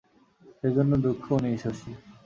সেজন্য দুঃখও নেই শশী।